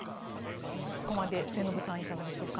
ここまで、末延さんいかがでしょうか。